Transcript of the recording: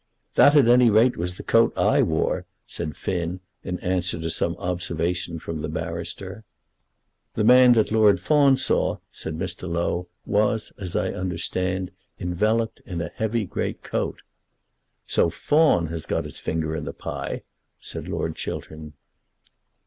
"That at any rate was the coat I wore," said Finn, in answer to some observation from the barrister. "The man that Lord Fawn saw," said Mr. Low, "was, as I understand, enveloped in a heavy great coat." "So Fawn has got his finger in the pie!" said Lord Chiltern.